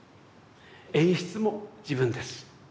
演出も自分です。